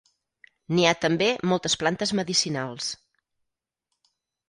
N'hi ha també moltes plantes medicinals.